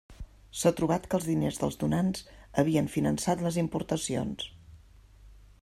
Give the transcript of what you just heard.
S'ha trobat que els diners dels donants havien finançat les importacions.